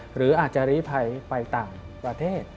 หรืออาจจะลีภัยไปต่างประเทศ